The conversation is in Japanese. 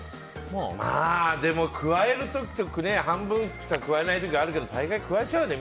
まあでも、くわえる時と半分しかくわえない時あるけど大概くわえちゃうよね